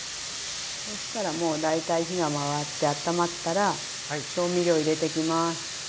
そしたらもう大体火が回ってあったまったら調味料入れていきます。